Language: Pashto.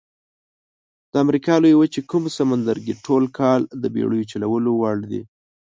د امریکا لویې وچې کوم سمندرګي ټول کال د بېړیو چلولو وړ دي؟